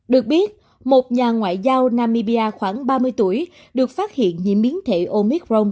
được biết một nhà ngoại giao namibia khoảng ba mươi tuổi được phát hiện nhiễm biến thể omicron